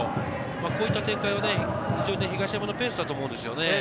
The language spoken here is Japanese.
こういった展開は非常に東山のペースだと思うんですよね。